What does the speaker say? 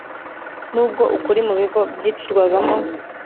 nubwo ukuri mu bigo byicirwagamo